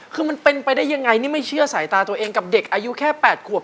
คือมันเป็นไปได้ยังไงนี่ไม่เชื่อสายตาตัวเองกับเด็กอายุแค่๘ขวบ